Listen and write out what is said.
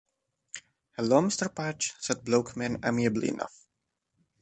"Hello, Mr. Patch," said Bloeckman amiably enough.